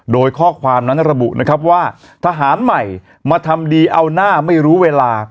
โดยข้อความนั้นระบุนะครับว่าทหารใหม่มาทำดีเอาหน้าไม่รู้เวลา